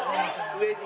上に？